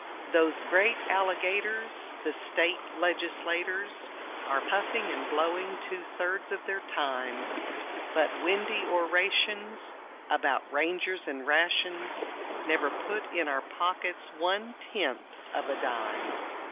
Those great alligators, the State legislators, Are puffing and blowing two thirds of their time, But windy orations about rangers and rations Never put in our pockets one tenth of a dime.